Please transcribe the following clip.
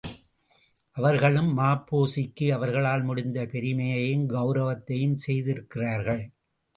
அவர்களும், ம.பொ.சிக்கு அவர்களால் முடிந்த பெருமையையும் கெளரவத்தையும் செய்திருக்கிறார்கள்.